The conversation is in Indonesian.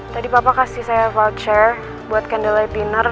tadi papa kasih saya voucher buat candle light dinner